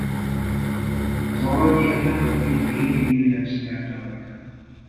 Az aranyérmet a brit Amy Williams nyerte meg.